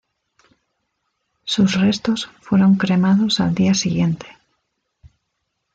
Sus restos fueron cremados al día siguiente.